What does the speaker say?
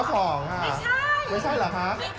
ต้องกำลังกายแต่คุณเลือกอีกนิด